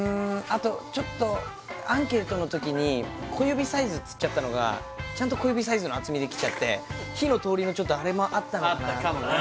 あとちょっとアンケートの時に小指サイズっつったのがちゃんと小指サイズの厚みで切ってあって火の通りのちょっとあれもあったかもな